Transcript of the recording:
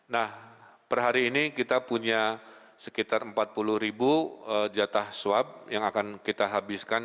nah per hari ini kita punya sekitar empat puluh ribu jatah swab yang akan kita habiskan